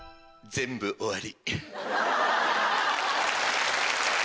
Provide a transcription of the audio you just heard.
全部終わり。